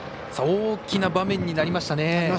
大きな場面になりましたね。